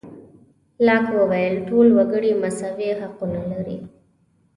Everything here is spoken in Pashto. لاک وویل ټول وګړي مساوي حقونه لري.